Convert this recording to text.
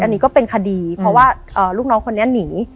อันนี้ก็เป็นคดีเพราะว่าลูกน้องคนนี้หนี